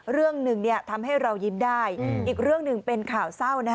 เรื่องหนึ่งทำให้เรายิ้มได้อีกเรื่องหนึ่งเป็นข่าวเศร้า